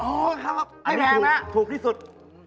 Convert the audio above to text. อันนี้ถูกที่สุด